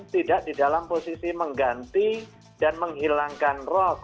tidak di dalam posisi mengganti dan menghilangkan rock